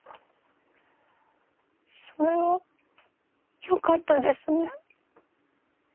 それはよかったですね。